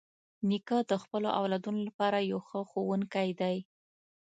نیکه د خپلو اولادونو لپاره یو ښه ښوونکی دی.